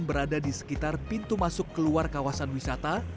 berada di sekitar pintu masuk keluar kawasan wisata